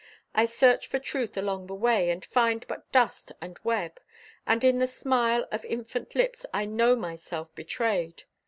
I search for truth along the way And find but dust and web, And in the smile of infant lips I know myself betrayed.